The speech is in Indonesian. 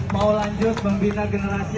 mau lanjut membina generasi